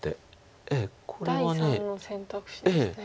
第３の選択肢ですね。